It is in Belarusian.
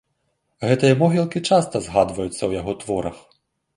Гэтыя могілкі часта згадваюцца ў яго творах.